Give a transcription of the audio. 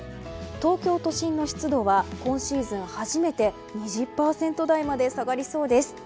東京都心の湿度は今シーズン初めて２０％台まで下がりそうです。